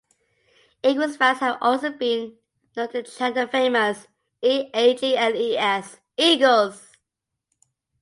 Eagles fans have also been known to chant the famous, E-A-G-L-E-S - Eagles!!